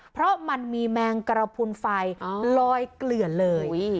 เพราะมันมีแมงกระพุนไฟอ๋อลอยเกลือเลยอุ้ย